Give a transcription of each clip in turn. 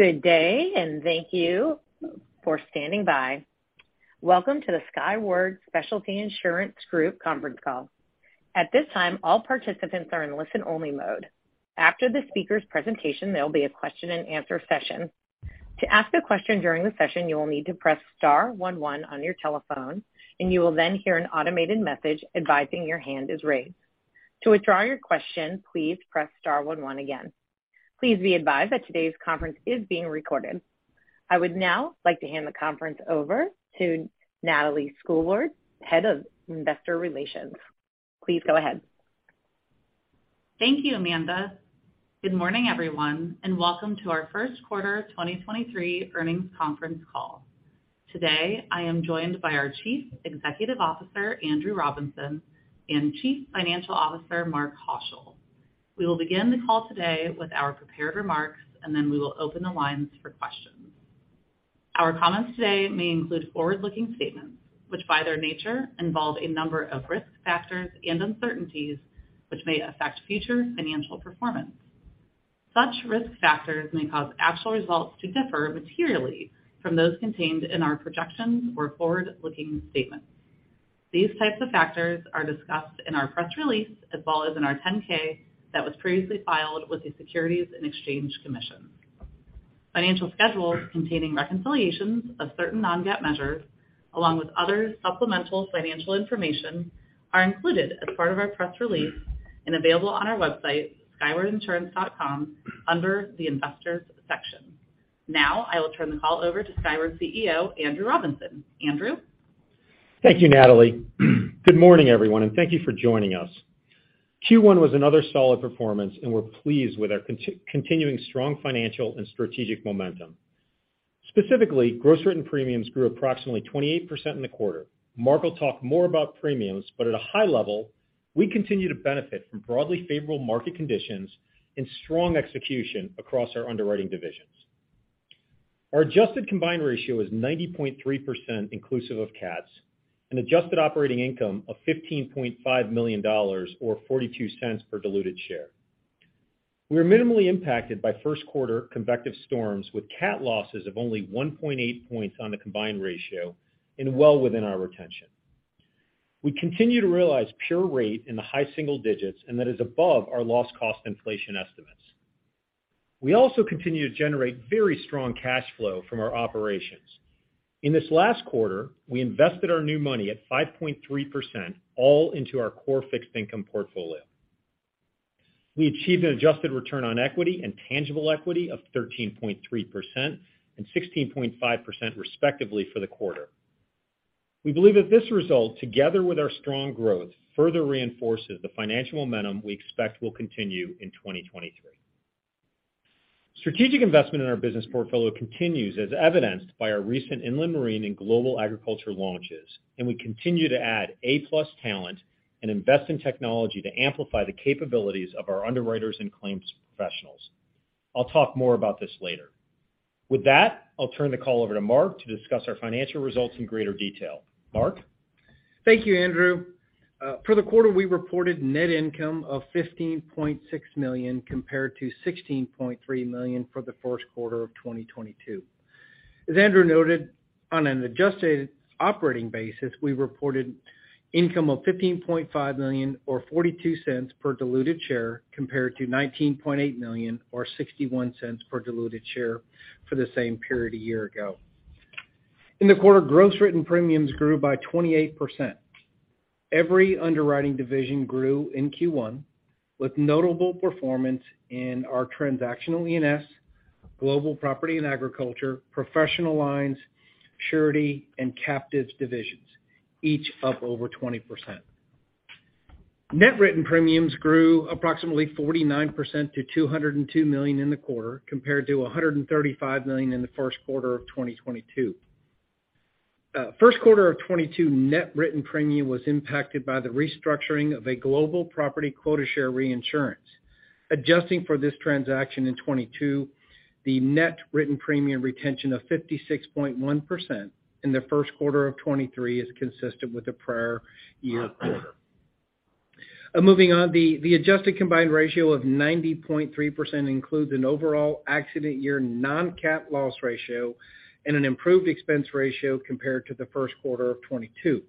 Good day, and thank you for standing by. Welcome to the Skyward Specialty Insurance Group conference call. At this time, all participants are in listen-only mode. After the speaker's presentation, there'll be a question-and-answer session. To ask a question during the session, you will need to press star one one on your telephone, and you will then hear an automated message advising your hand is raised. To withdraw your question, please press star one one again. Please be advised that today's conference is being recorded. I would now like to hand the conference over to Natalie Schoolcraft, Head of Investor Relations. Please go ahead. Thank you, Amanda. Good morning, everyone, welcome to our first quarter 2023 earnings conference call. Today, I am joined by our Chief Executive Officer, Andrew Robinson, and Chief Financial Officer, Mark Haushill. We will begin the call today with our prepared remarks, then we will open the lines for questions. Our comments today may include forward-looking statements, which by their nature involve a number of risk factors and uncertainties which may affect future financial performance. Such risk factors may cause actual results to differ materially from those contained in our projections or forward-looking statements. These types of factors are discussed in our press release, as well as in our 10-K that was previously filed with the Securities and Exchange Commission. Financial schedules containing reconciliations of certain non-GAAP measures, along with other supplemental financial information, are included as part of our press release and available on our website, skywardinsurance.com, under the Investors section. Now, I will turn the call over to Skyward's CEO, Andrew Robinson. Andrew? Thank you, Natalie Schoolcraft. Good morning, everyone, and thank you for joining us. Q1 was another solid performance, and we're pleased with our continuing strong financial and strategic momentum. Specifically, gross written premiums grew approximately 28% in the quarter. Mark will talk more about premiums, but at a high level, we continue to benefit from broadly favorable market conditions and strong execution across our underwriting divisions. Our adjusted combined ratio is 90.3% inclusive of cats, an adjusted operating income of $15.5 million or $0.42 per diluted share. We are minimally impacted by first quarter convective storms with cat losses of only 1.8 points on the combined ratio and well within our retention. We continue to realize pure rate in the high single digits, and that is above our loss cost inflation estimates. We also continue to generate very strong cash flow from our operations. In this last quarter, we invested our new money at 5.3% all into our core fixed income portfolio. We achieved an adjusted return on equity and tangible equity of 13.3% and 16.5%, respectively, for the quarter. We believe that this result, together with our strong growth, further reinforces the financial momentum we expect will continue in 2023. Strategic investment in our business portfolio continues as evidenced by our recent inland marine and Global Agriculture launches, and we continue to add A+ talent and invest in technology to amplify the capabilities of our underwriters and claims professionals. I'll talk more about this later. With that, I'll turn the call over to Mark to discuss our financial results in greater detail. Mark? Thank you, Andrew. For the quarter, we reported net income of $15.6 million compared to $16.3 million for the first quarter of 2022. As Andrew noted, on an adjusted operating basis, we reported income of $15.5 million or $0.42 per diluted share compared to $19.8 million or $0.61 per diluted share for the same period a year ago. In the quarter, gross written premiums grew by 28%. Every underwriting division grew in Q1, with notable performance in our Transactional E&S, Global Property & Agriculture, Professional Lines, Surety, and Captives divisions, each up over 20%. Net written premiums grew approximately 49% to $202 million in the quarter compared to $135 million in the first quarter of 2022. First quarter of 2022 net written premium was impacted by the restructuring of a Global Property & Agriculture quota share reinsurance. Adjusting for this transaction in 2022, the net written premium retention of 56.1% in the first quarter of 2023 is consistent with the prior year quarter. Moving on, the adjusted combined ratio of 90.3% includes an overall accident year non-cat loss ratio and an improved expense ratio compared to the first quarter of 2022.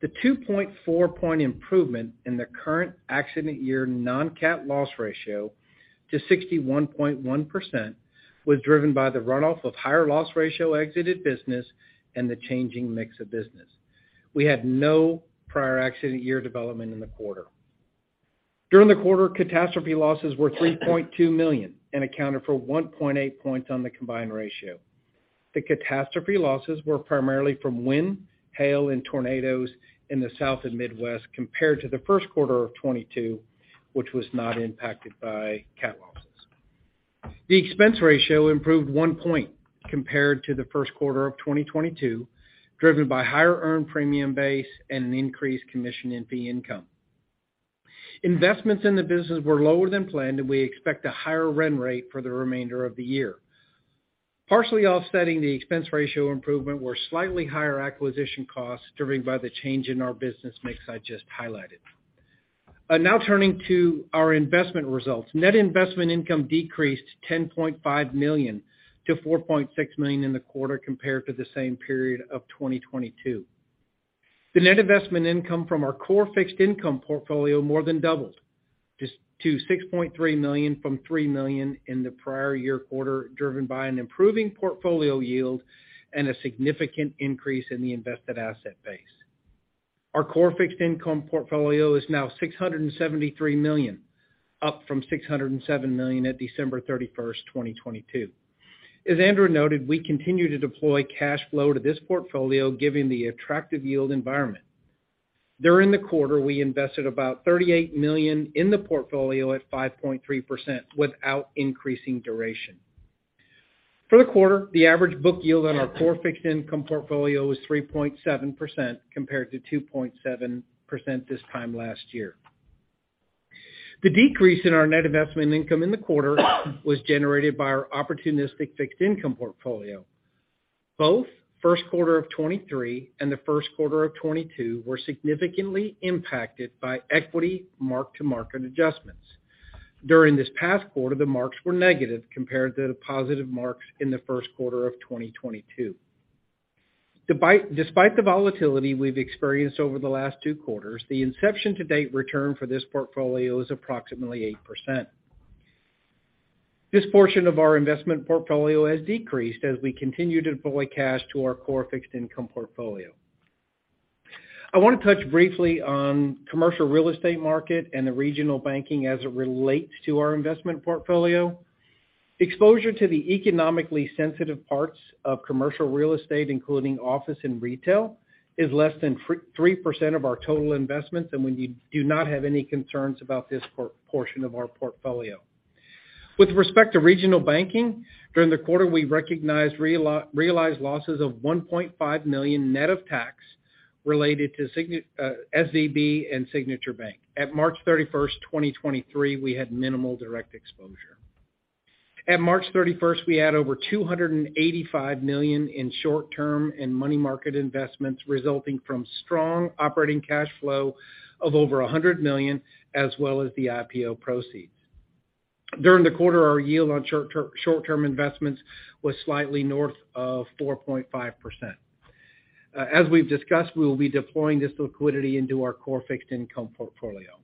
The 2.4-point improvement in the current accident year non-cat loss ratio to 61.1% was driven by the runoff of higher loss ratio exited business and the changing mix of business. We had no prior accident year development in the quarter. During the quarter, catastrophe losses were $3.2 million and accounted for 1.8 points on the combined ratio. The catastrophe losses were primarily from wind, hail, and tornadoes in the South and Midwest compared to the first quarter of 2022, which was not impacted by cat losses. The expense ratio improved 1 point compared to the first quarter of 2022, driven by higher earned premium base and an increased commission and fee income. Investments in the business were lower than planned. We expect a higher run rate for the remainder of the year. Partially offsetting the expense ratio improvement were slightly higher acquisition costs driven by the change in our business mix I just highlighted. Now turning to our investment results. Net investment income decreased $10.5 million to $4.6 million in the quarter compared to the same period of 2022. The net investment income from our core fixed income portfolio more than doubled just to $6.3 million from $3 million in the prior year quarter, driven by an improving portfolio yield and a significant increase in the invested asset base. Our core fixed income portfolio is now $673 million, up from $607 million at December 31st, 2022. As Andrew noted, we continue to deploy cash flow to this portfolio given the attractive yield environment. During the quarter, we invested about $38 million in the portfolio at 5.3% without increasing duration. For the quarter, the average book yield on our core fixed income portfolio was 3.7% compared to 2.7% this time last year. The decrease in our net investment income in the quarter was generated by our opportunistic fixed income portfolio. Both first quarter of 2023 and the first quarter of 2022 were significantly impacted by equity mark-to-market adjustments. During this past quarter, the marks were negative compared to the positive marks in the first quarter of 2022. Despite the volatility we've experienced over the last two quarters, the inception to date return for this portfolio is approximately 8%. This portion of our investment portfolio has decreased as we continue to deploy cash to our core fixed income portfolio. I want to touch briefly on commercial real estate market and the regional banking as it relates to our investment portfolio. Exposure to the economically sensitive parts of commercial real estate, including office and retail, is less than 3% of our total investments, and we do not have any concerns about this portion of our portfolio. With respect to regional banking, during the quarter, we recognized realized losses of $1.5 million net of tax related to SVB and Signature Bank. At March 31, 2023, we had minimal direct exposure. At March 31, 2023, we had over $285 million in short-term and money market investments resulting from strong operating cash flow of over $100 million, as well as the IPO proceeds. During the quarter, our yield on short-term investments was slightly north of 4.5%. As we've discussed, we will be deploying this liquidity into our core fixed income portfolio.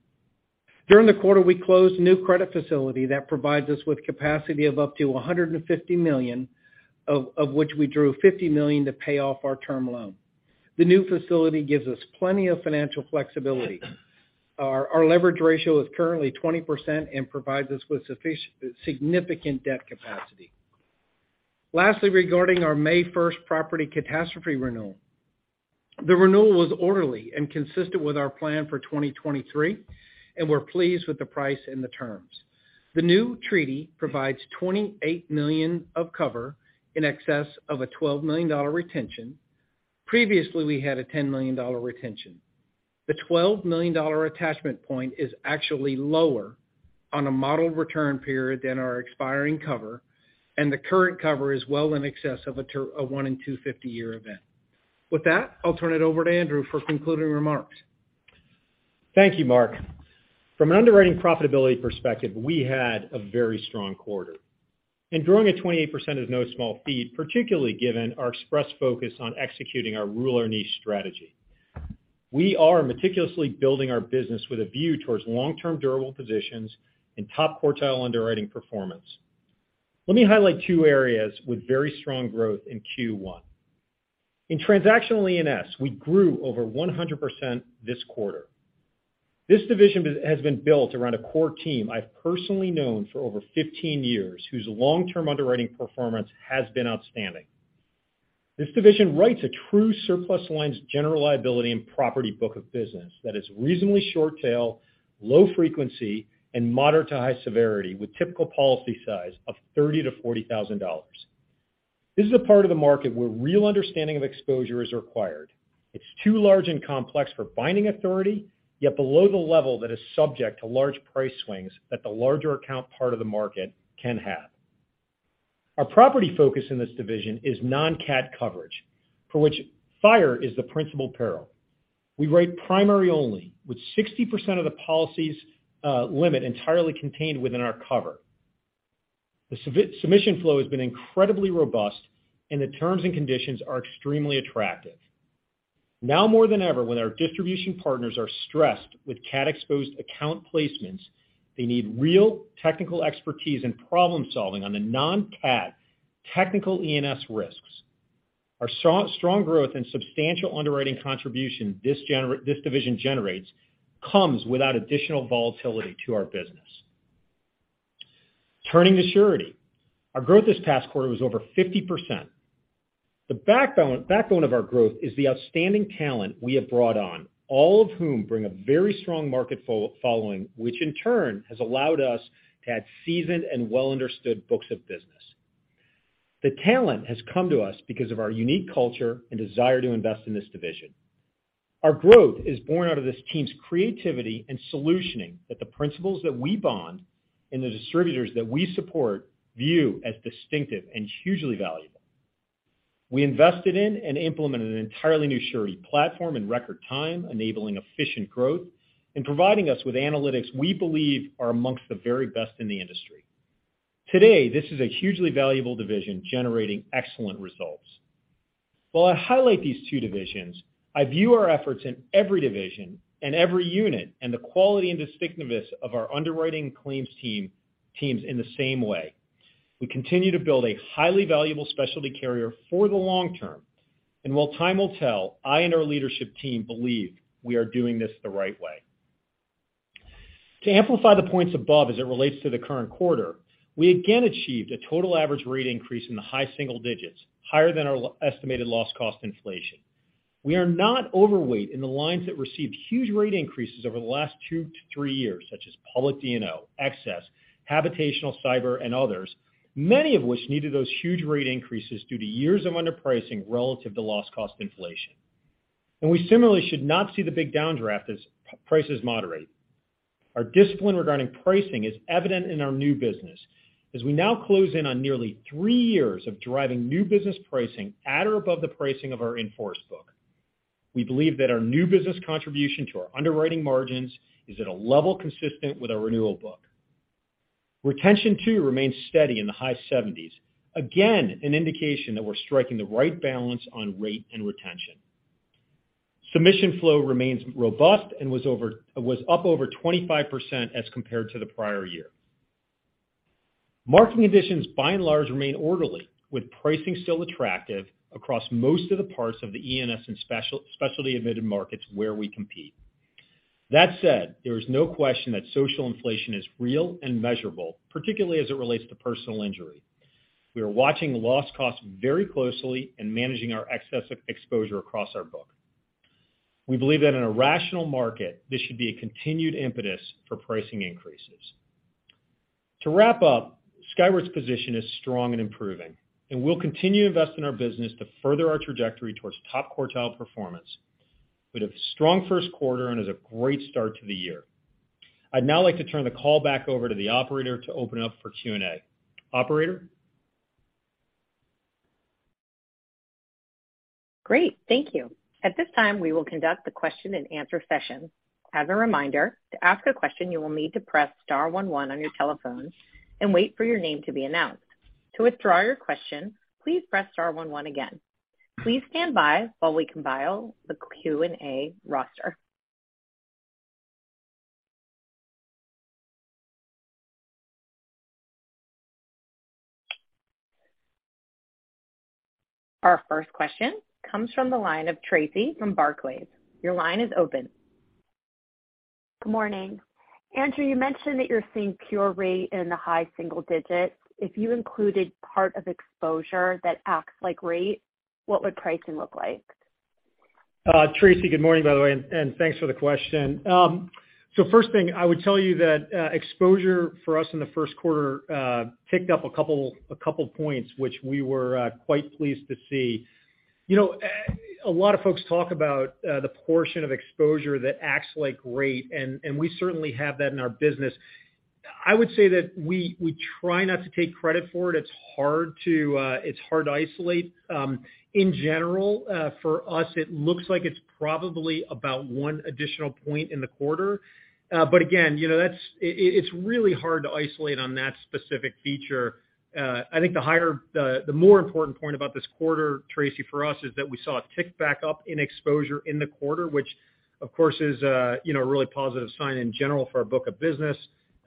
During the quarter, we closed a new credit facility that provides us with capacity of up to $150 million, of which we drew $50 million to pay off our term loan. The new facility gives us plenty of financial flexibility. Our leverage ratio is currently 20% and provides us with significant debt capacity. Lastly, regarding our May 1st property catastrophe renewal. The renewal was orderly and consistent with our plan for 2023, and we're pleased with the price and the terms. The new treaty provides $28 million of cover in excess of a $12 million retention. Previously, we had a $10 million retention. The $12 million attachment point is actually lower on a modeled return period than our expiring cover, and the current cover is well in excess of a one in 250 year event. With that, I'll turn it over to Andrew for concluding remarks. Thank you, Mark. From an underwriting profitability perspective, we had a very strong quarter. Growing at 28% is no small feat, particularly given our express focus on executing our rule or niche strategy. We are meticulously building our business with a view towards long-term durable positions and top quartile underwriting performance. Let me highlight two areas with very strong growth in Q1. In Transactional E&S, we grew over 100% this quarter. This division has been built around a core team I've personally known for over 15 years, whose long-term underwriting performance has been outstanding. This division writes a true surplus lines general liability and property book of business that is reasonably short tail, low frequency, and moderate to high severity, with typical policy size of $30,000-$40,000. This is a part of the market where real understanding of exposure is required. It's too large and complex for binding authority, yet below the level that is subject to large price swings that the larger account part of the market can have. Our property focus in this division is non-cat coverage, for which fire is the principal peril. We write primary only, with 60% of the policy's limit entirely contained within our cover. The submission flow has been incredibly robust, and the terms and conditions are extremely attractive. Now more than ever, when our distribution partners are stressed with cat-exposed account placements, they need real technical expertise and problem-solving on the non-cat technical E&S risks. Our strong growth and substantial underwriting contribution this division generates comes without additional volatility to our business. Turning to Surety. Our growth this past quarter was over 50%. The backbone of our growth is the outstanding talent we have brought on, all of whom bring a very strong market following, which in turn has allowed us to add seasoned and well-understood books of business. The talent has come to us because of our unique culture and desire to invest in this division. Our growth is born out of this team's creativity and solutioning that the principals that we bond and the distributors that we support view as distinctive and hugely valuable. We invested in and implemented an entirely new surety platform in record time, enabling efficient growth and providing us with analytics we believe are amongst the very best in the industry. Today, this is a hugely valuable Surety division generating excellent results. While I highlight these two divisions, I view our efforts in every division and every unit, and the quality and distinctiveness of our underwriting claims teams in the same way. We continue to build a highly valuable specialty carrier for the long term. While time will tell, I and our leadership team believe we are doing this the right way. To amplify the points above as it relates to the current quarter, we again achieved a total average rate increase in the high single digits, higher than our estimated loss cost inflation. We are not overweight in the lines that received huge rate increases over the last two to three years, such as public D&O, excess, habitational cyber, and others, many of which needed those huge rate increases due to years of underpricing relative to loss cost inflation. We similarly should not see the big downdraft as prices moderate. Our discipline regarding pricing is evident in our new business as we now close in on nearly three years of driving new business pricing at or above the pricing of our in-force book. We believe that our new business contribution to our underwriting margins is at a level consistent with our renewal book. Retention too remains steady in the high 70s. Again, an indication that we're striking the right balance on rate and retention. Submission flow remains robust and was up over 25% as compared to the prior year. Marketing conditions by and large remain orderly, with pricing still attractive across most of the parts of the E&S and specialty admitted markets where we compete. That said, there is no question that social inflation is real and measurable, particularly as it relates to personal injury. We are watching loss costs very closely and managing our excess exposure across our book. We believe that in a rational market, this should be a continued impetus for pricing increases. To wrap up, Skyward's position is strong and improving, and we'll continue to invest in our business to further our trajectory towards top quartile performance. We had a strong first quarter and is a great start to the year. I'd now like to turn the call back over to the operator to open up for Q&A. Operator? Great, thank you. At this time, we will conduct the question-and-answer session. As a reminder, to ask a question, you will need to press star one one on your telephone and wait for your name to be announced. To withdraw your question, please press star one one again. Please stand by while we compile the Q&A roster. Our first question comes from the line of Tracy from Barclays. Your line is open. Good morning. Andrew, you mentioned that you're seeing pure rate in the high single digits. If you included part of exposure that acts like rate, what would pricing look like? Tracy, good morning, by the way, and thanks for the question. First thing, I would tell you that exposure for us in the first quarter ticked up a couple points, which we were quite pleased to see. You know, a lot of folks talk about the portion of exposure that acts like rate, and we certainly have that in our business. I would say that we try not to take credit for it. It's hard to isolate. In general, for us, it looks like it's probably about one additional point in the quarter. Again, that's it's really hard to isolate on that specific feature. I think the more important point about this quarter, Tracy, for us, is that we saw a tick back up in exposure in the quarter, which of course is a really positive sign in general for our book of business.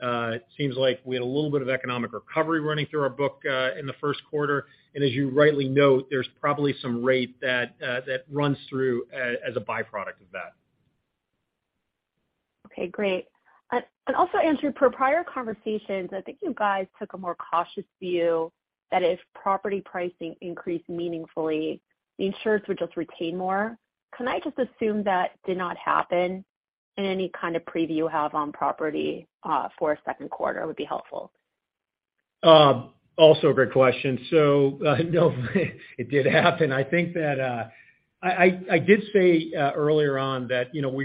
It seems like we had a little bit of economic recovery running through our book in the first quarter. As you rightly note, there's probably some rate that runs through as a byproduct of that. Okay, great. Also Andrew, per prior conversations, I think you guys took a more cautious view that if property pricing increased meaningfully, the insurers would just retain more. Can I just assume that did not happen? Any kind of preview you have on property for second quarter would be helpful. Also a great question. No, it did happen. I think that I did say earlier on that, you know,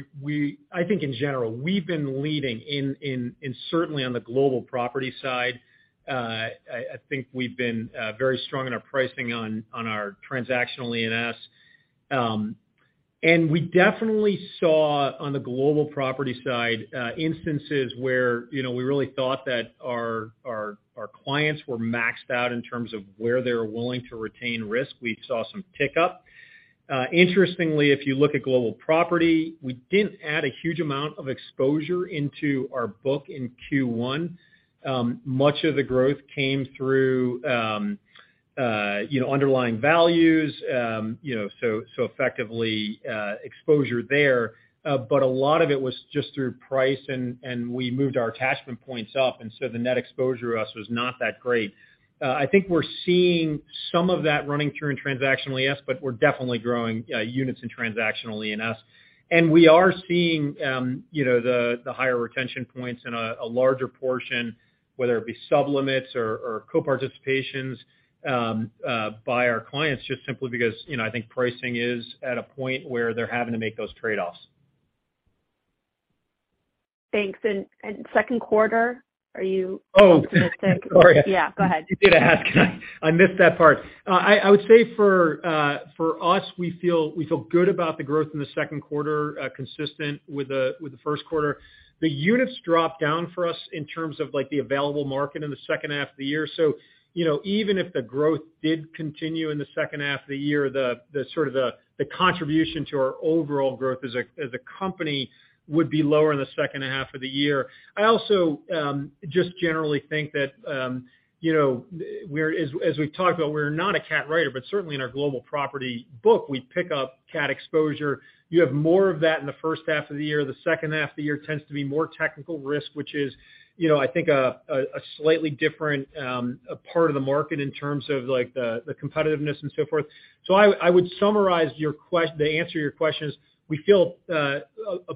I think in general, we've been leading in certainly on the Global Property side. I think we've been very strong in our pricing on our Transactional E&S. We definitely saw on the Global Property side, instances where, you know, we really thought that our clients were maxed out in terms of where they're willing to retain risk. We saw some tick up. Interestingly, if you look at Global Property, we didn't add a huge amount of exposure into our book in Q1. Much of the growth came through, you know, underlying values, you know, so effectively, exposure there. A lot of it was just through price and we moved our attachment points up, and so the net exposure to us was not that great. I think we're seeing some of that running through in Transactional E&S, but we're definitely growing units in Transactional E&S. We are seeing, you know, the higher retention points in a larger portion, whether it be sub-limits or co-participations by our clients, just simply because, you know, I think pricing is at a point where they're having to make those trade-offs. Thanks. Second quarter? Oh. Sorry. Yeah, go ahead. You did ask. I missed that part. I would say for us, we feel good about the growth in the second quarter, consistent with the first quarter. The units dropped down for us in terms of, like, the available market in the second half of the year. You know, even if the growth did continue in the second half of the year, the sort of a contribution to our overall growth as a company would be lower in the second half of the year. I also just generally think that, you know, as we've talked about, we're not a cat writer, but certainly in our Global Property book, we pick up cat exposure. You have more of that in the first half of the year. The second half of the year tends to be more technical risk, which is, you know, I think a slightly different part of the market in terms of, like, the competitiveness and so forth. I would summarize to answer your questions, we feel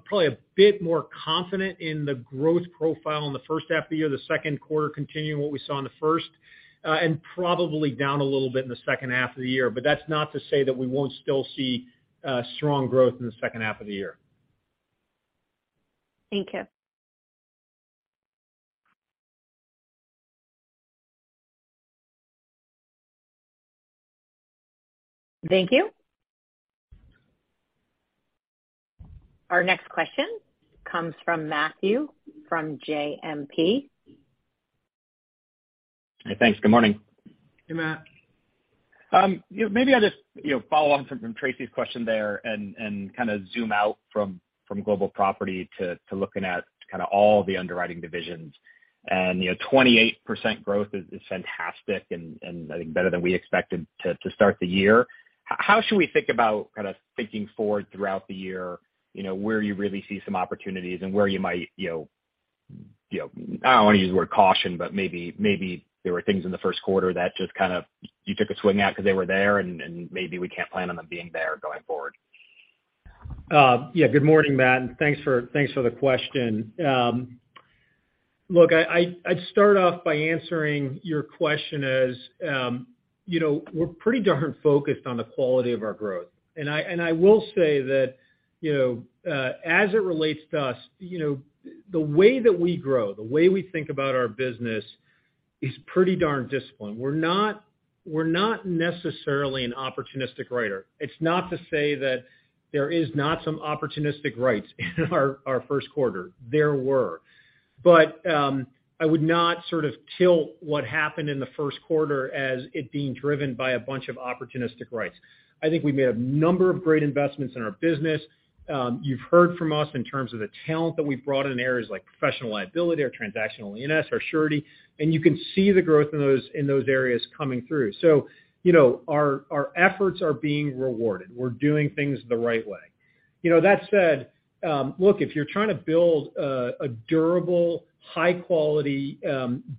probably a bit more confident in the growth profile in the first half of the year, the second quarter continuing what we saw in the first, and probably down a little bit in the second half of the year. That's not to say that we won't still see strong growth in the second half of the year. Thank you. Thank you. Our next question comes from Matthew from JMP. Hey, thanks. Good morning. Hey, Matt. Yeah, maybe I'll just, you know, follow on from Tracy's question there and kind of zoom out from global property to looking at kind of all the underwriting divisions. You know, 28% growth is fantastic and I think better than we expected to start the year. How should we think about kind of thinking forward throughout the year, you know, where you really see some opportunities and where you might, you know, I don't want to use the word caution, but maybe there were things in the first quarter that just kind of you took a swing at 'cause they were there, and maybe we can't plan on them being there going forward? Yeah, good morning, Matt, and thanks for the question. Look, I'd start off by answering your question as, you know, we're pretty darn focused on the quality of our growth. I will say that, you know, as it relates to us, you know, the way that we grow, the way we think about our business is pretty darn disciplined. We're not necessarily an opportunistic writer. It's not to say that there is not some opportunistic writes in our first quarter. There were. I would not sort of tilt what happened in the first quarter as it being driven by a bunch of opportunistic writes. I think we made a number of great investments in our business. You've heard from us in terms of the talent that we've brought in areas like Professional Lines or Transactional E&S or Surety, and you can see the growth in those areas coming through. You know, our efforts are being rewarded. We're doing things the right way. You know, that said, look, if you're trying to build a durable, high quality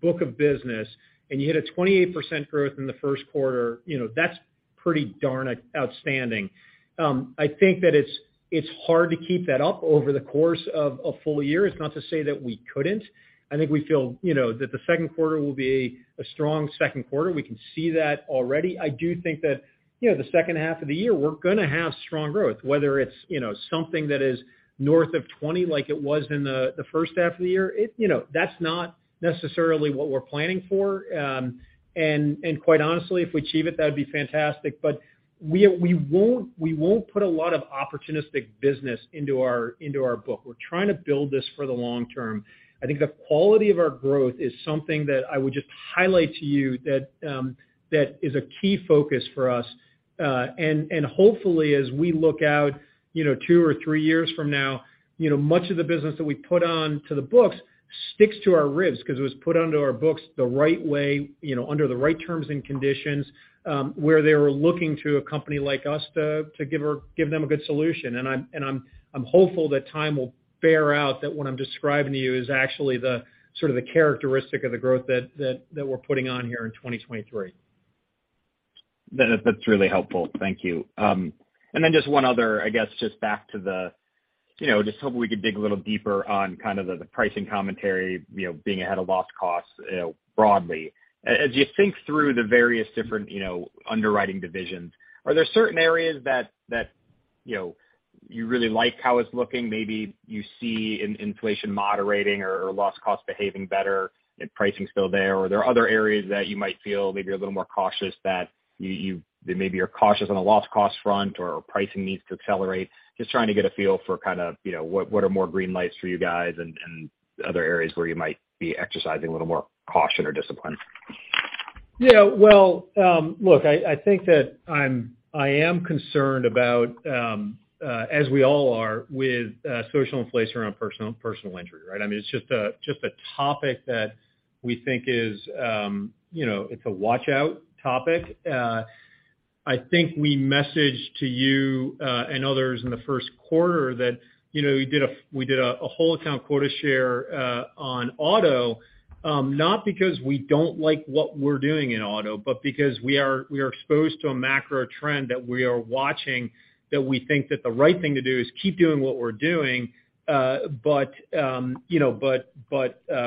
book of business and you hit a 28% growth in the first quarter, you know, that's pretty darn outstanding. I think that it's hard to keep that up over the course of a full year. It's not to say that we couldn't. I think we feel, you know, that the second quarter will be a strong second quarter. We can see that already. I do think that, you know, the second half of the year we're gonna have strong growth, whether it's, you know, something that is north of 20% like it was in the first half of the year. You know, that's not necessarily what we're planning for. Quite honestly, if we achieve it, that'd be fantastic. We won't put a lot of opportunistic business into our book. We're trying to build this for the long term. I think the quality of our growth is something that I would just highlight to you that is a key focus for us. Hopefully, as we look out, you know, two or three years from now, you know, much of the business that we put on to the books sticks to our ribs 'cause it was put onto our books the right way, you know, under the right terms and conditions, where they were looking to a company like us to give them a good solution. I'm hopeful that time will bear out that what I'm describing to you is actually the sort of the characteristic of the growth that we're putting on here in 2023. That's really helpful. Thank you. Then just one other, I guess, just back to the, you know, just hoping we could dig a little deeper on kind of the pricing commentary, you know, being ahead of loss costs, you know, broadly. As you think through the various different, you know, underwriting divisions, are there certain areas that, you know, you really like how it's looking, maybe you see inflation moderating or loss costs behaving better and pricing's still there, or are there other areas that you might feel maybe a little more cautious that maybe you're cautious on the loss cost front or pricing needs to accelerate? Just trying to get a feel for kind of, you know, what are more green lights for you guys and other areas where you might be exercising a little more caution or discipline. Yeah. Well, look, I think that I am concerned about, as we all are with social inflation around personal injury, right? I mean, it's just a topic that we think is, you know, it's a watch-out topic. I think we messaged to you and others in the first quarter that, you know, we did a whole account quota share on auto, not because we don't like what we're doing in auto, but because we are exposed to a macro trend that we are watching, that we think that the right thing to do is keep doing what we're doing, but, you know,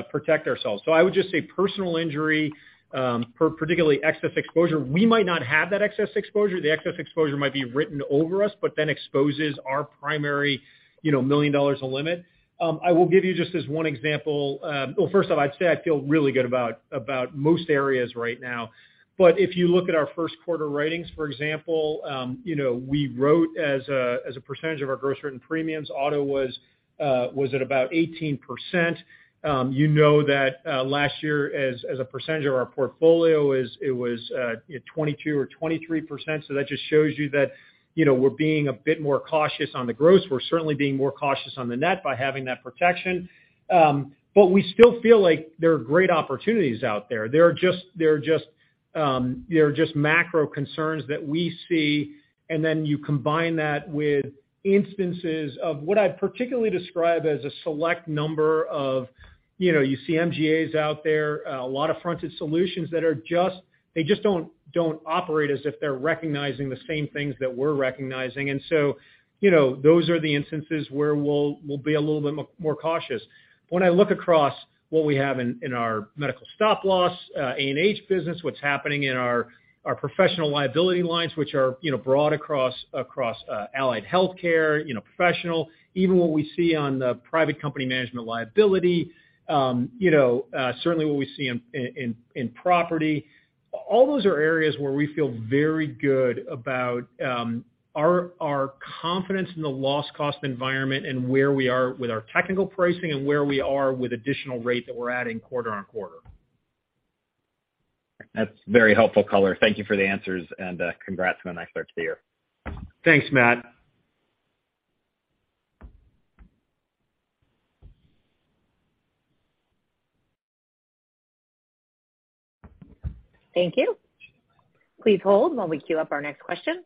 protect ourselves. I would just say personal injury, particularly excess exposure, we might not have that excess exposure. The excess exposure might be written over us, then exposes our primary, you know, a million dollar limit. I will give you just this one example. Well, first off, I'd say I feel really good about most areas right now. If you look at our first quarter writings, for example, you know, we wrote as a percentage of our gross written premiums, auto was at about 18%. You know that last year as a percentage of our portfolio is it was, you know, 22% or 23%. That just shows you that, you know, we're being a bit more cautious on the gross. We're certainly being more cautious on the net by having that protection. We still feel like there are great opportunities out there. There are just macro concerns that we see. Then you combine that with instances of what I'd particularly describe as a select number of, you know, you see MGAs out there, a lot of fronted solutions that are just, they just don't operate as if they're recognizing the same things that we're recognizing. You know, those are the instances where we'll be a little bit more cautious. When I look across what we have in our medical stop-loss, A&H business, what's happening in our professional liability lines, which are, you know, broad across Allied Healthcare, you know, professional, even what we see on the private company management liability, you know, certainly what we see in property. All those are areas where we feel very good about, our confidence in the loss cost environment and where we are with our technical pricing and where we are with additional rate that we're adding quarter on quarter. That's very helpful color. Thank you for the answers and, congrats on a nice start to the year. Thanks, Matt. Thank you. Please hold while we queue up our next question.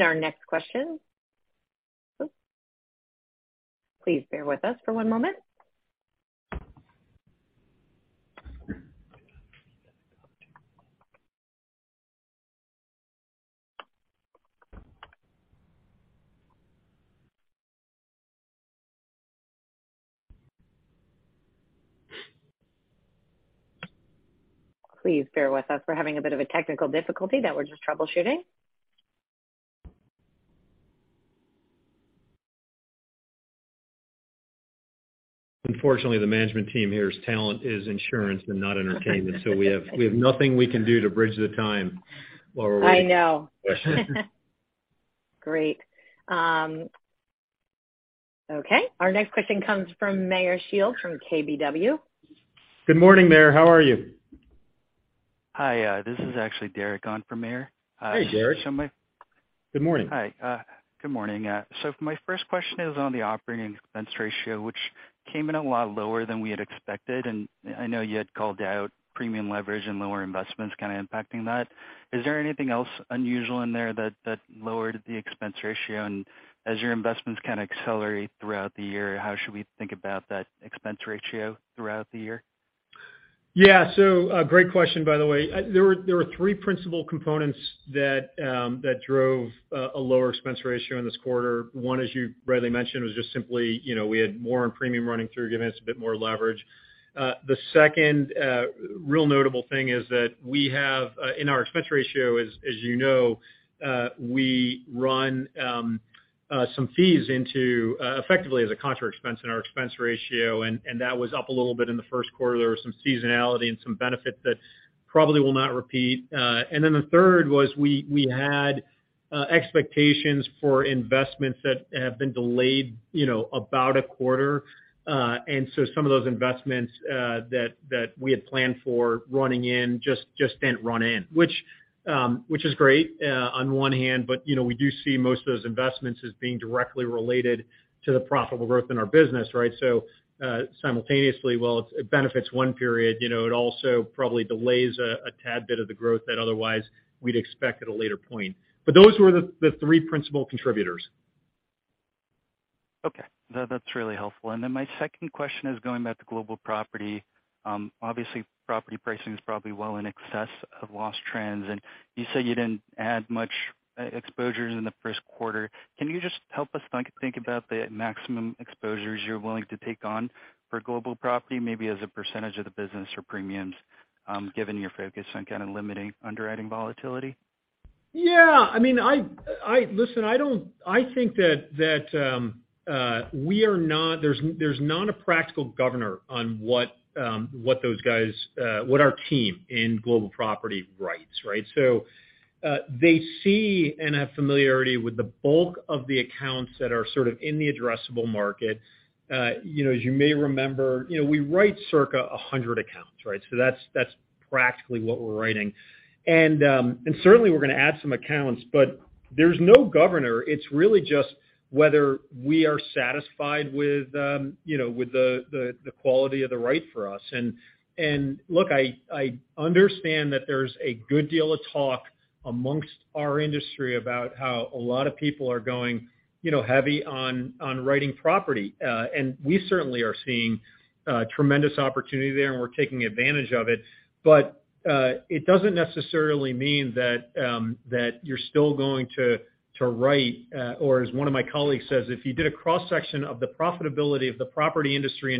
Our next question. Please bear with us for one moment. Please bear with us. We're having a bit of a technical difficulty that we're just troubleshooting. Unfortunately, the management team here's talent is insurance and not entertainment. We have nothing we can do to bridge the time while we're waiting. I know. Great. Okay. Our next question comes from Meyer Shields from KBW. Good morning, Meyer. How are you? Hi, this is actually Derek on for Mayer. Hey, Derek. Good morning. Hi. Good morning. My first question is on the operating expense ratio, which came in a lot lower than we had expected, and I know you had called out premium leverage and lower investments kind of impacting that. Is there anything else unusual in there that lowered the expense ratio? As your investments kind of accelerate throughout the year, how should we think about that expense ratio throughout the year? Yeah. A great question, by the way. There were three principal components that drove a lower expense ratio in this quarter. One, as you rightly mentioned, was just simply, you know, we had more on premium running through, giving us a bit more leverage. The second real notable thing is that we have in our expense ratio, as you know, we run some fees into effectively as a contra expense in our expense ratio, and that was up a little bit in the first quarter. There was some seasonality and some benefit that probably will not repeat. The third was we had expectations for investments that have been delayed, you know, about a quarter. Some of those investments, that we had planned for running in just didn't run in, which is great, on one hand. You know, we do see most of those investments as being directly related to the profitable growth in our business, right? Simultaneously, while it benefits one period, you know, it also probably delays a tad bit of the growth that otherwise we'd expect at a later point. Those were the three principal contributors. Okay. That's really helpful. My second question is going back to Global Property. Obviously property pricing is probably well in excess of loss trends, and you said you didn't add much exposures in the first quarter. Can you just help us think about the maximum exposures you're willing to take on for Global Property, maybe as a percentage of the business or premiums, given your focus on kind of limiting underwriting volatility? Yeah. I mean, I listen, I think that there's not a practical governor on what what those guys what our team in Global Property writes, right? They see and have familiarity with the bulk of the accounts that are sort of in the addressable market. You know, as you may remember, you know, we write circa 100 accounts, right? That's practically what we're writing. Certainly we're going to add some accounts, but there's no governor. It's really just whether we are satisfied with, you know, with the quality of the write for us. Look, I understand that there's a good deal of talk amongst our industry about how a lot of people are going, you know, heavy on writing property. We certainly are seeing tremendous opportunity there, and we're taking advantage of it. It doesn't necessarily mean that you're still going to write, or as one of my colleagues says, if you did a cross-section of the profitability of the property industry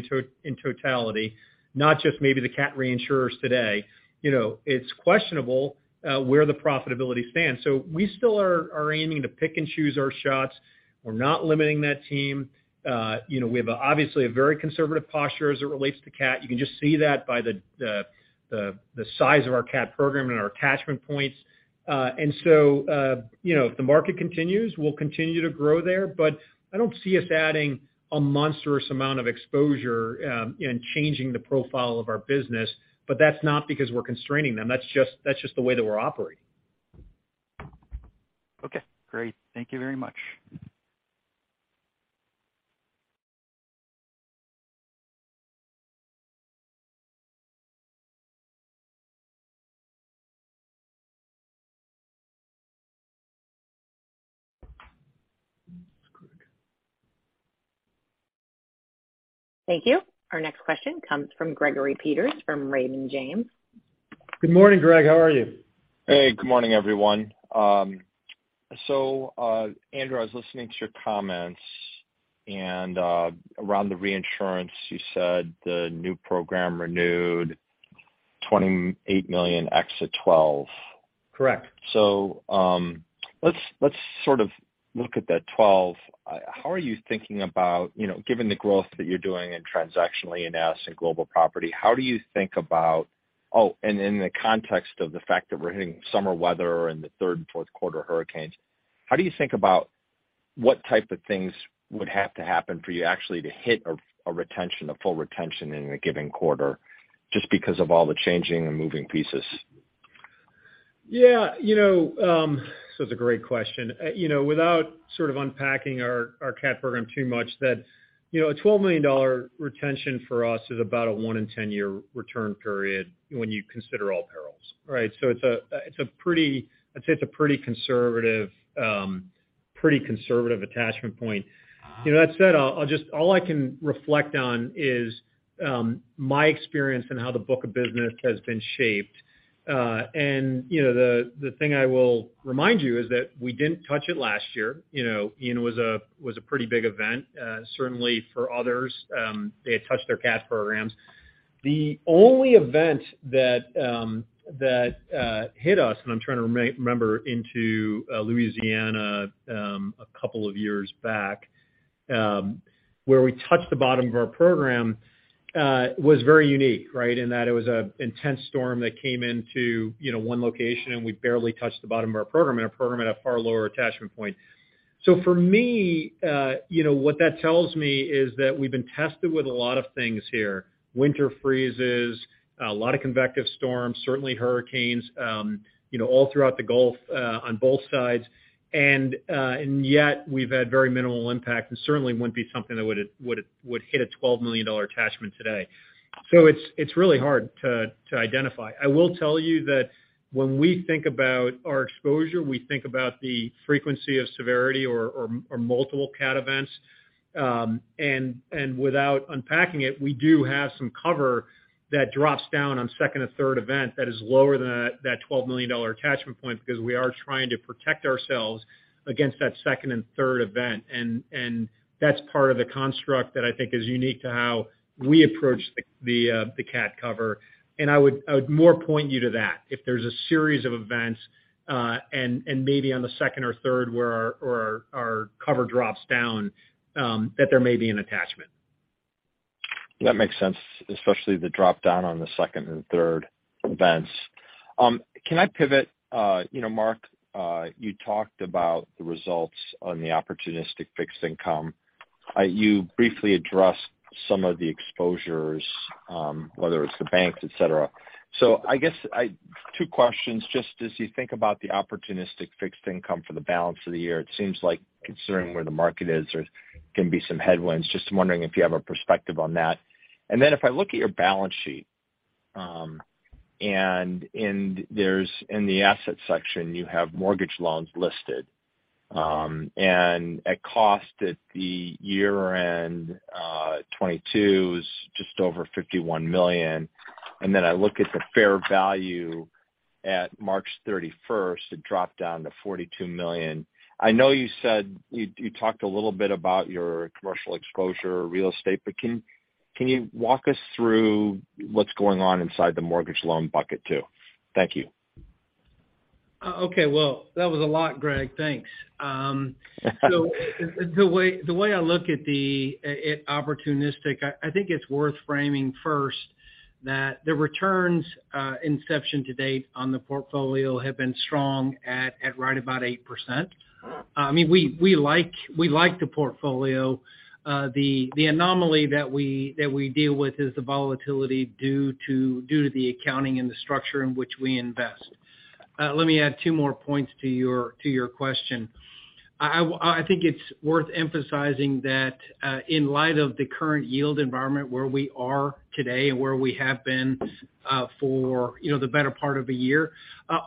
in totality, not just maybe the cat reinsurers today, you know, it's questionable where the profitability stands. We still are aiming to pick and choose our shots. We're not limiting that team. You know, we have obviously a very conservative posture as it relates to cat. You can just see that by the size of our cat program and our attachment points. You know, if the market continues, we'll continue to grow there. I don't see us adding a monstrous amount of exposure, and changing the profile of our business. That's not because we're constraining them, that's just the way that we're operating. Okay, great. Thank you very much. Thank you. Our next question comes from Gregory Peters from Raymond James. Good morning, Greg. How are you? Hey, good morning, everyone. Andrew, I was listening to your comments around the reinsurance, you said the new program renewed $28 million exit $12 million Correct. Let's sort of look at that 12. How are you thinking about, you know, given the growth that you're doing in Transactional E&S and Global Property, and in the context of the fact that we're hitting summer weather and the third and fourth quarter hurricanes, how do you think about what type of things would have to happen for you actually to hit a retention, a full retention in a given quarter just because of all the changing and moving pieces? You know, it's a great question. You know, without sort of unpacking our cat program too much, you know, a $12 million retention for us is about a one in 10 year return period when you consider all perils, right? It's a pretty, I'd say it's a pretty conservative, pretty conservative attachment point. You know, that said, all I can reflect on is my experience in how the book of business has been shaped. You know, the thing I will remind you is that we didn't touch it last year. You know, Ian was a pretty big event, certainly for others, they had touched their cat programs. The only event that hit us, and I'm trying to re-remember into Louisiana, a couple of years back, where we touched the bottom of our program, was very unique, right? In that it was a intense storm that came into, you know, one location, and we barely touched the bottom of our program, and a program at a far lower attachment point. For me, you know, what that tells me is that we've been tested with a lot of things here. Winter freezes, a lot of convective storms, certainly hurricanes, you know, all throughout the Gulf on both sides. Yet we've had very minimal impact and certainly wouldn't be something that would hit a $12 million attachment today. It's really hard to identify. I will tell you that when we think about our exposure, we think about the frequency of severity or multiple cat events. Without unpacking it, we do have some cover that drops down on second or third event that is lower than that $12 million attachment point because we are trying to protect ourselves against that second and third event. That's part of the construct that I think is unique to how we approach the cat cover. I would more point you to that. If there's a series of events, and maybe on the second or third where our cover drops down, that there may be an attachment. That makes sense, especially the drop down on the second and third events. Can I pivot? you know, Mark, you talked about the results on the opportunistic fixed income. you briefly addressed some of the exposures, whether it's the banks, et cetera. I guess two questions, just as you think about the opportunistic fixed income for the balance of the year, it seems like considering where the market is, there's gonna be some headwinds. Just wondering if you have a perspective on that. if I look at your balance sheet, and in there's, in the asset section, you have mortgage loans listed, and at cost at the year-end 2022 is just over $51 million. I look at the fair value at March thirty-first, it dropped down to $42 million. I know you said you talked a little bit about your commercial exposure or real estate, but can you walk us through what's going on inside the mortgage loan bucket too? Thank you. Okay. Well, that was a lot, Greg. Thanks. The way I look at the opportunistic, I think it's worth framing first that the returns, inception to date on the portfolio have been strong at right about 8%. I mean, we like the portfolio. The anomaly that we deal with is the volatility due to the accounting and the structure in which we invest. Let me add two more points to your question. I think it's worth emphasizing that in light of the current yield environment where we are today and where we have been for, you know, the better part of a year,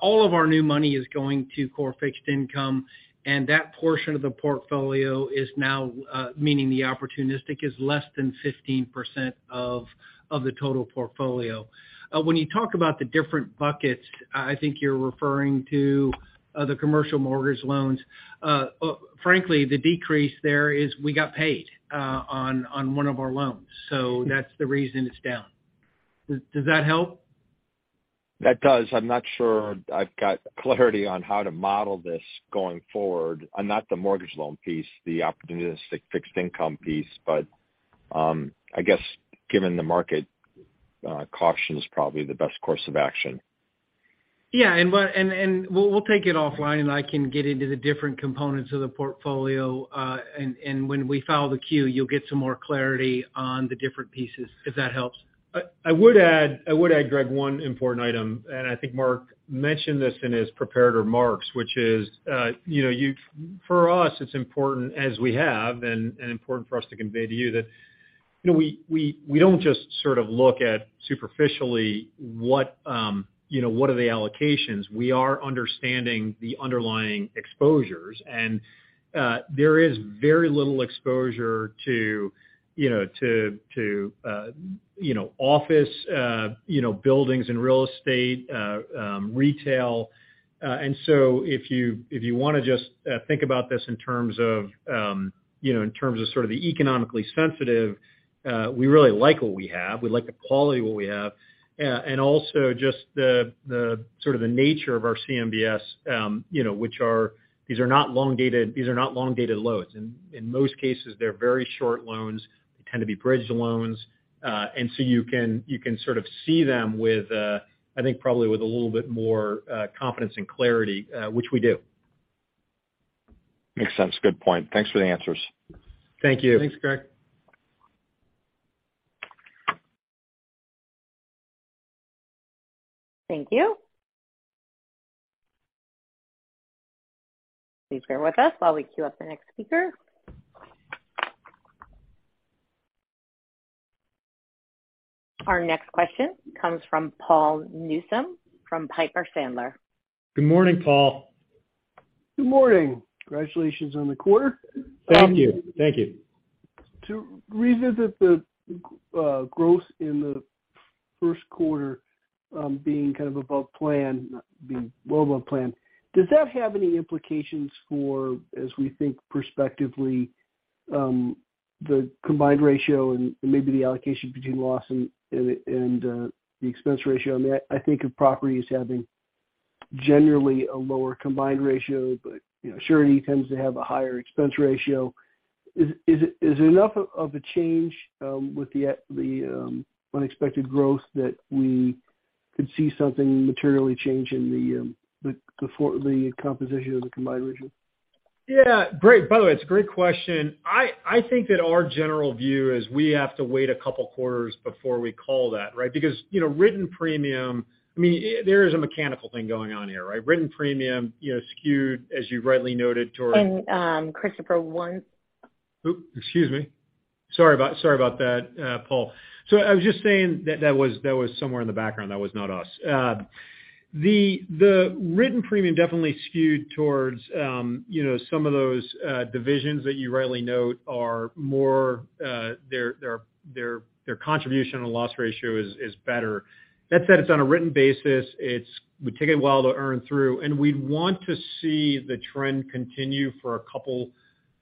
all of our new money is going to core fixed income, and that portion of the portfolio is now, meaning the opportunistic, is less than 15% of the total portfolio. When you talk about the different buckets, I think you're referring to the commercial mortgage loans. Frankly, the decrease there is we got paid on one of our loans. That's the reason it's down. Does that help? That does. I'm not sure I've got clarity on how to model this going forward. Not the mortgage loan piece, the opportunistic fixed income piece. I guess given the market, caution is probably the best course of action. Yeah. We'll take it offline, and I can get into the different components of the portfolio. When we file the Q, you'll get some more clarity on the different pieces if that helps. I would add, Greg, one important item, and I think Mark mentioned this in his prepared remarks, which is, you know, for us, it's important as we have and, important for us to convey to you that, you know, we don't just sort of look at superficially what, you know, what are the allocations. We are understanding the underlying exposures. There is very little exposure to, you know, to office buildings and real estate, retail. If you wanna just think about this in terms of, you know, in terms of sort of the economically sensitive, we really like what we have. We like the quality of what we have. Also just the sort of the nature of our CMBS, you know, these are not long-dated loans. In most cases, they're very short loans. They tend to be bridge loans. You can sort of see them with, I think probably with a little bit more confidence and clarity, which we do. Makes sense. Good point. Thanks for the answers. Thank you. Thanks, Greg. Thank you. Please bear with us while we queue up the next speaker. Our next question comes from Paul Newsome from Piper Sandler. Good morning, Paul. Good morning. Congratulations on the quarter. Thank you. Thank you. To revisit the growth in the first quarter, being kind of above plan, being well above plan, does that have any implications for, as we think perspectively, the combined ratio and maybe the allocation between loss and the expense ratio on that? I think of property as having generally a lower combined ratio, but, you know, surety tends to have a higher expense ratio. Is it enough of a change, with the unexpected growth that we could see something materially change in the composition of the combined ratio? Yeah. Great. By the way, it's a great question. I think that our general view is we have to wait a couple quarters before we call that, right? You know, written premium, I mean, there is a mechanical thing going on here, right? Written premium, you know, skewed, as you rightly noted. Christopher, Oops, excuse me. Sorry about that, Paul. I was just saying that was somewhere in the background. That was not us. The written premium definitely skewed towards, you know, some of those divisions that you rightly note are more, their contribution on loss ratio is better. That said, it's on a written basis. It would take a while to earn through, and we'd want to see the trend continue for a couple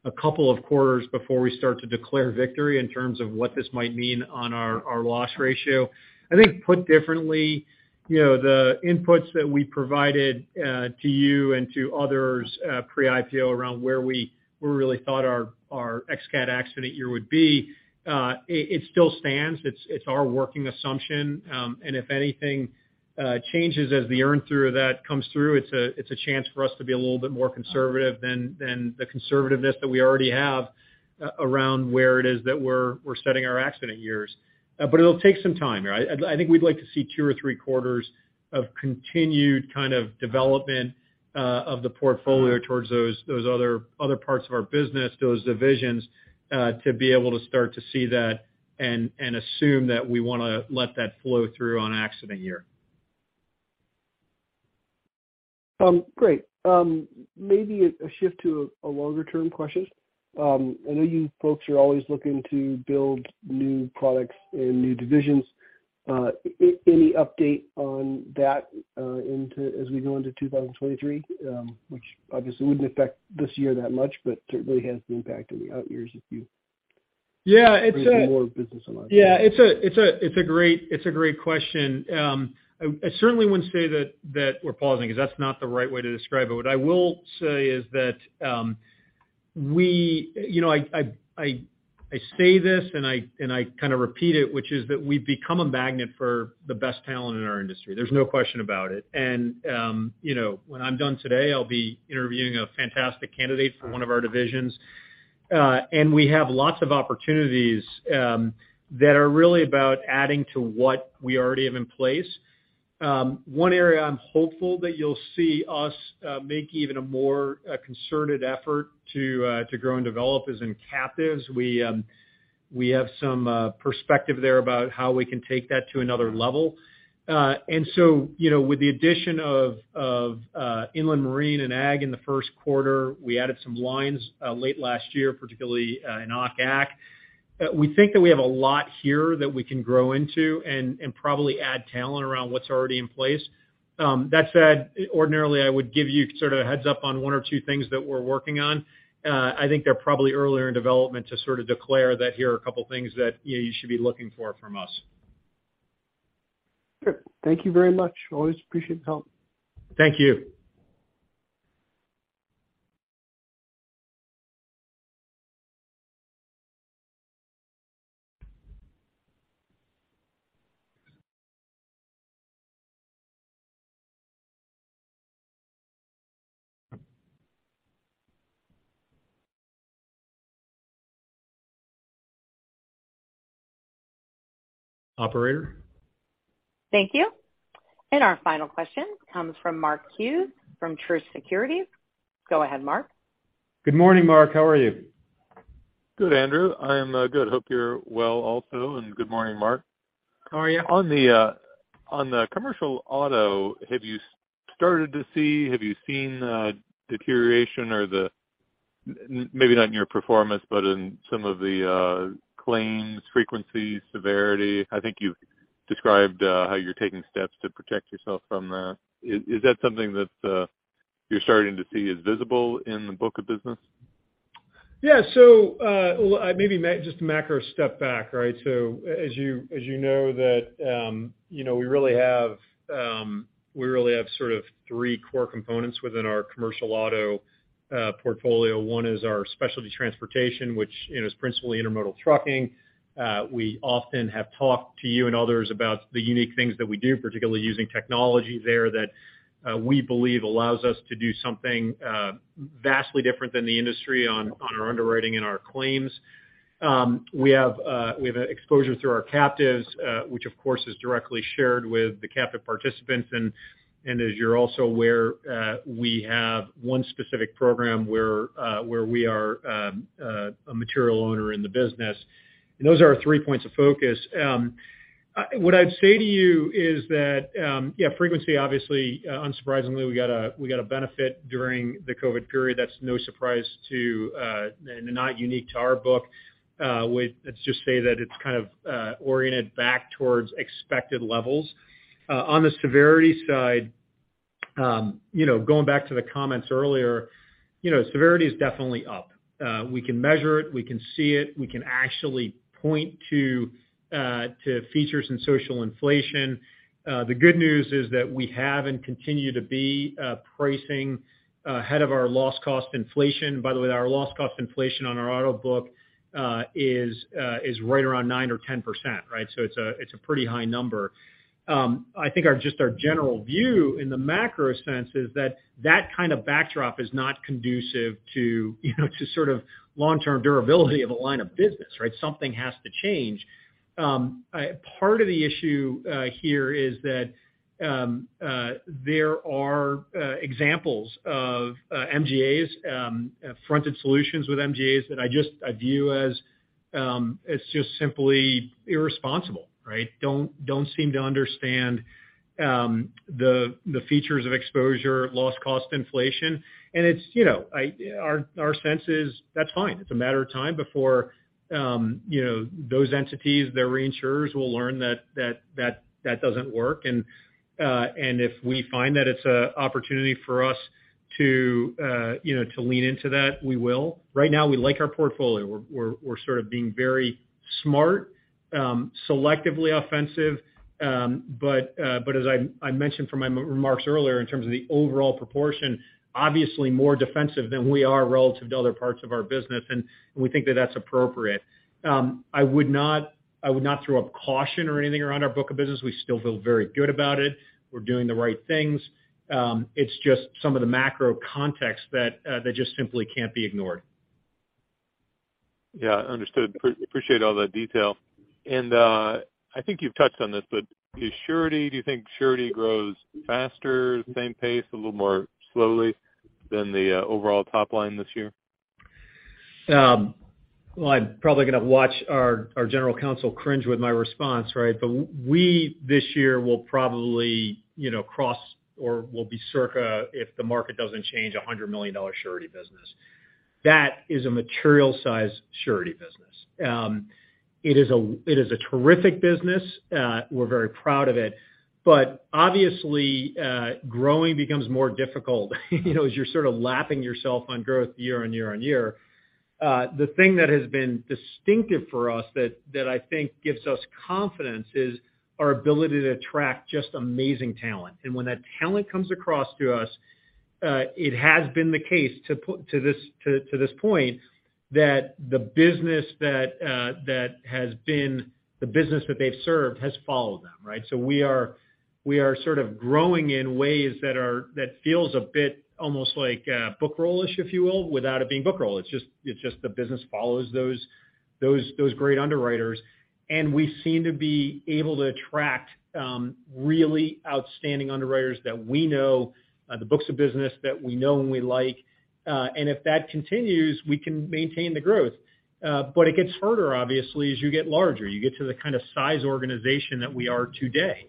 of quarters before we start to declare victory in terms of what this might mean on our loss ratio. I think put differently, you know, the inputs that we provided to you and to others pre-IPO around where we really thought our ex cat accident year would be, it still stands. It's our working assumption. If anything changes as the earn through of that comes through, it's a chance for us to be a little bit more conservative than the conservativeness that we already have around where it is that we're setting our accident years. It'll take some time here. I think we'd like to see two or three quarters of continued kind of development of the portfolio towards those other parts of our business, those divisions, to be able to start to see that and assume that we wanna let that flow through on accident year. Great. Maybe a shift to a longer-term question. I know you folks are always looking to build new products and new divisions. Any update on that as we go into 2023, which obviously wouldn't affect this year that much, but certainly has an impact on the out years if you… Yeah, it's. Bring some more business online. Yeah, it's a great question. I certainly wouldn't say that we're pausing 'cause that's not the right way to describe it. What I will say is that, you know, I say this, and I kind of repeat it, which is that we've become a magnet for the best talent in our industry. There's no question about it. You know, when I'm done today, I'll be interviewing a fantastic candidate for one of our divisions. And we have lots of opportunities that are really about adding to what we already have in place. One area I'm hopeful that you'll see us make even a more concerted effort to grow and develop is in Captives. We have some perspective there about how we can take that to another level. You know, with the addition of inland marine and ag in the first quarter, we added some lines late last year, particularly in OCAC. We think that we have a lot here that we can grow into and probably add talent around what's already in place. That said, ordinarily I would give you sort of a heads-up on one or two things that we're working on. I think they're probably earlier in development to sort of declare that here are a couple things that, you know, you should be looking for from us. Sure. Thank you very much. Always appreciate the help. Thank you. Operator? Thank you. Our final question comes from Mark Hughes from Truist Securities. Go ahead, Mark. Good morning, Mark. How are you? Good, Andrew. I am good. Hope you're well also, and good morning, Mark. How are you? On the commercial auto, have you seen deterioration or the maybe not in your performance, but in some of the claims frequencies, severity? I think you've described how you're taking steps to protect yourself from that. Is that something that you're starting to see is visible in the book of business? Maybe just a macro step back, right? As you know that, you know, we really have sort of three core components within our commercial auto portfolio. One is our Specialty Transportation, which, you know, is principally intermodal trucking. We often have talked to you and others about the unique things that we do, particularly using technology there that we believe allows us to do something vastly different than the industry on our underwriting and our claims. We have exposure through our Captives, which of course is directly shared with the captive participants. As you're also aware, we have one specific program where we are a material owner in the business. Those are our three points of focus. What I'd say to you is that, yeah, frequency, obviously, unsurprisingly, we got a benefit during the COVID period. That's no surprise to and not unique to our book. Let's just say that it's kind of oriented back towards expected levels. On the severity side, you know, going back to the comments earlier, you know, severity is definitely up. We can measure it. We can see it. We can actually point to features in social inflation. The good news is that we have and continue to be pricing ahead of our loss cost inflation. By the way, our loss cost inflation on our auto book is right around 9% or 10%, right? It's a pretty high number. I think just our general view in the macro sense is that that kind of backdrop is not conducive to, you know, to sort of long-term durability of a line of business, right? Something has to change. Part of the issue here is that there are examples of MGAs, fronted solutions with MGAs that I just, I view as just simply irresponsible, right? Don't seem to understand the features of exposure, loss cost inflation. It's, you know, our sense is that's fine. It's a matter of time before, you know, those entities, their reinsurers will learn that doesn't work. If we find that it's a opportunity for us to, you know, to lean into that, we will. Right now we like our portfolio. We're sort of being very smart, selectively offensive. As I mentioned from my remarks earlier in terms of the overall proportion, obviously more defensive than we are relative to other parts of our business, and we think that that's appropriate. I would not, I would not throw up caution or anything around our book of business. We still feel very good about it. We're doing the right things. It's just some of the macro context that just simply can't be ignored. Yeah, understood. appreciate all that detail. I think you've touched on this, but do you think Surety grows faster, same pace, a little more slowly than the overall top line this year? Well, I'm probably gonna watch our general counsel cringe with my response, right? We this year will probably, you know, cross or will be circa, if the market doesn't change, a $100 million surety business. That is a material size surety business. It is a terrific business. We're very proud of it. Obviously, growing becomes more difficult, you know, as you're sort of lapping yourself on growth year on year on year. The thing that has been distinctive for us that I think gives us confidence is our ability to attract just amazing talent. When that talent comes across to us, it has been the case to this point, that the business that has been the business that they've served has followed them, right? We are sort of growing in ways that feels a bit almost like book roll-ish, if you will, without it being book roll. It's just the business follows those great underwriters. We seem to be able to attract really outstanding underwriters that we know, the books of business that we know and we like. If that continues, we can maintain the growth. It gets harder, obviously, as you get larger. You get to the kind of size organization that we are today.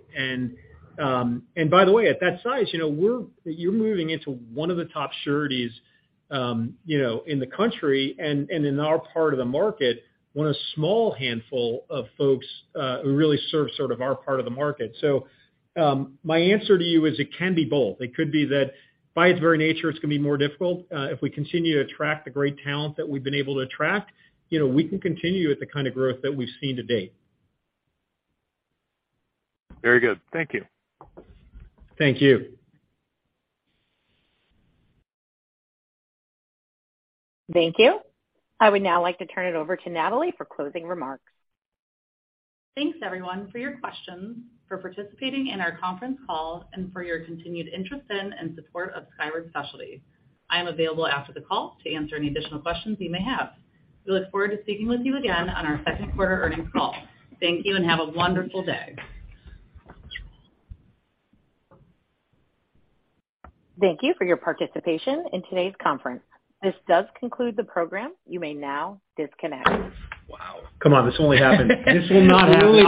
By the way, at that size, you know, you're moving into one of the top sureties, you know, in the country and in our part of the market, one of small handful of folks who really serve sort of our part of the market. My answer to you is it can be both. It could be that by its very nature, it's gonna be more difficult. If we continue to attract the great talent that we've been able to attract, you know, we can continue with the kind of growth that we've seen to date. Very good. Thank you. Thank you. Thank you. I would now like to turn it over to Natalie for closing remarks. Thanks, everyone, for your questions, for participating in our conference call and for your continued interest in and support of Skyward Specialty. I am available after the call to answer any additional questions you may have. We look forward to speaking with you again on our second quarter earnings call. Thank you. Have a wonderful day. Thank you for your participation in today's conference. This does conclude the program. You may now disconnect. Wow. Come on, This will not happen again.